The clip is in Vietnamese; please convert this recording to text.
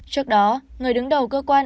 trước đó người đứng đầu cơ quan